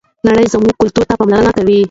نړۍ زموږ کلتور ته پاملرنه کوي.